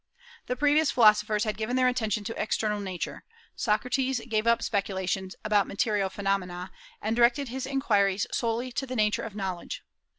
The previous philosophers had given their attention to external nature; Socrates gave up speculations about material phenomena, and directed his inquiries solely to the nature of knowledge.